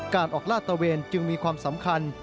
การออกลาดตะเวนจึงมีความสำคัญ